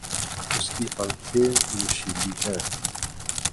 اس کی آنکھیں نشیلی ہیں۔